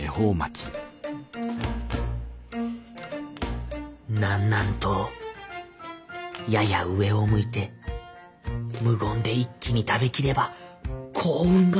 心の声南南東やや上を向いて無言で一気に食べきれば幸運が。